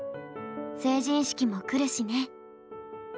成人式もくるしね。